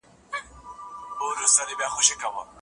تاسې په کوم ټولګي کې درس وایئ؟ ماشومان باید د مشرانو خبرې واوري.